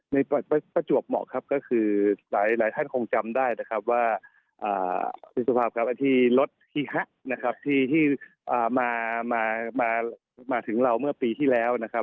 ประจวบเหมาะครับก็คือหลายท่านคงจำได้นะครับว่าคุณสุภาพครับที่รถฮีฮะนะครับที่มาถึงเราเมื่อปีที่แล้วนะครับ